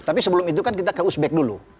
tapi sebelum itu kan kita ke usbek dulu